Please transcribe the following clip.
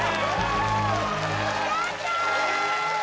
やった！